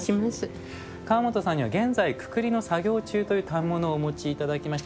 川本さんには現在くくりの作業中という反物をお持ち頂きました。